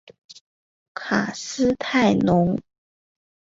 卡斯泰龙。